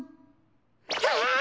ああ！